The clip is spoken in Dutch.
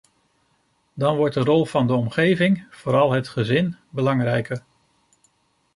Dan wordt de rol van de omgeving, vooral het gezin, belangrijker.